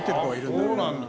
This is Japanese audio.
そうなんだ。